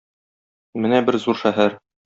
Менә бер зур шәһәр.